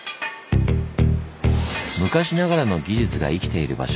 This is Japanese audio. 昔ながらの技術が生きている場所